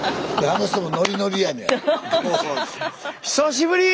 あの人もノリノリやねん。